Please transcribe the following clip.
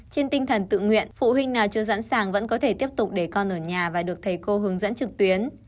trên tinh thần tự nguyện phụ huynh nào chưa sẵn sàng vẫn có thể tiếp tục để con ở nhà và được thầy cô hướng dẫn trực tuyến